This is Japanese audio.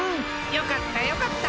よかったよかった！